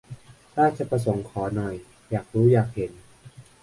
ราชประสงค์ขอ หน่อย อยากรู้อยากเห็น